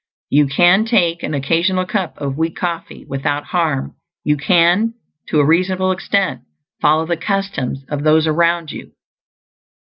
You can take an occasional cup of weak coffee without harm; you can, to a reasonable extent, follow the customs of those around you.